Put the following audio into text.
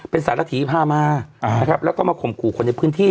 เป็นสารถีพามานะครับแล้วก็มาข่มขู่คนในพื้นที่